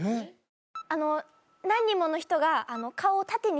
あの何人もの人が何？